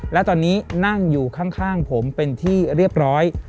และตอนนี้นั่งอยู่ข้างผมเป็นที่เรียบร้อย